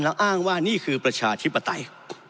แล้วอ้างว่านี่คือประชาธิปไตย